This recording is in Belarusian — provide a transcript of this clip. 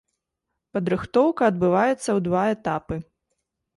Падрыхтоўка адбываецца ў два этапы.